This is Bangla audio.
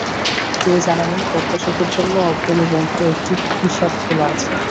তিনি জানালেন, পদ্মা সেতুর জন্য অগ্রণী ব্যাংকে একটি হিসাব খোলা আছে।